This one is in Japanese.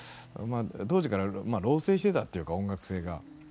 当時から老成してたっていうか音楽性が。